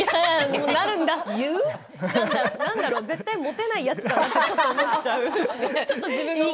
なんだろう、絶対モテないやつだなって思っちゃう。